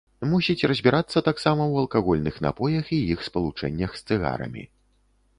Мусіць разбірацца таксама ў алкагольных напоях і іх спалучэннях з цыгарамі.